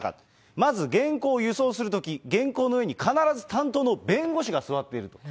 まず、原稿を輸送するとき、原稿の上に必ず担当の弁護士が座っていると。